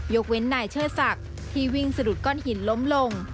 เว้นนายเชิดศักดิ์ที่วิ่งสะดุดก้อนหินล้มลง